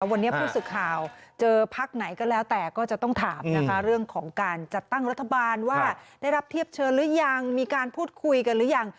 วันนี้ผู้สื่อข่าวเจอพักไหนก็แล้วแต่ก็จะต้องถามนะคะเรื่องของการจัดตั้งรัฐบาลว่าได้รับเทียบเชิญหรือยังมีการพูดคุยกันหรือยัง